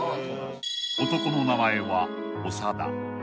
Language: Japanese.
［男の名前は長田］